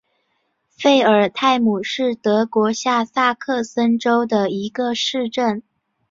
费尔泰姆是德国下萨克森州的一个市镇。